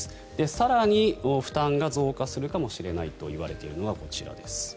更に負担が増加するかもしれないといわれているのがこちらです。